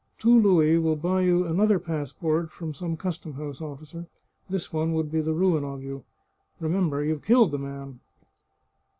Two louis will buy you another passport from some custom house officer; this one would be the ruin of you. Remember you've killed the man